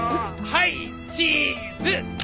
はいチーズ！